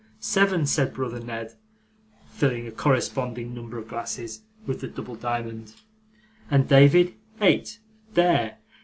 'Seven,' said brother Ned, filling a corresponding number of glasses with the double diamond, 'and David, eight. There!